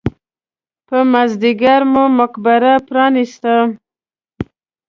په مازیګر مو مقبره پرانېسته.